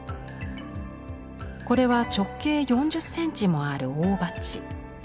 これは直径４０センチもある大鉢。